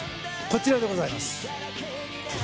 こちらでございます。